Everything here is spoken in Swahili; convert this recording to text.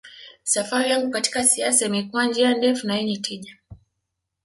Safari yangu katika siasa imekuwa njia ndefu na yenye tija